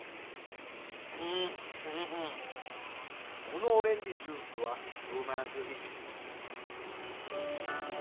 このオレンジジュースはうまスギちゃ。